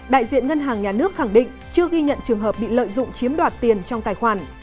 đại diện ngân hàng nhà nước khẳng định chưa ghi nhận trường hợp bị lợi dụng chiếm đoạt tiền trong tài khoản